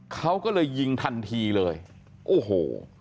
เขาก็เลยยิงทันทีเลยโอ้โห